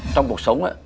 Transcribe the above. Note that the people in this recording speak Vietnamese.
trong cuộc sống